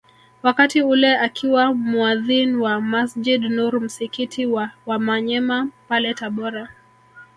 Wakati ule akiwa muadhin wa Masjid Nur msikiti wa Wamanyema pale Tabora